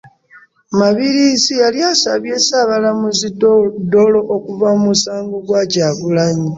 Mabirizi yali asabye Ssaabalamuzi Dollo okuva mu musango gwa Kyagulanyi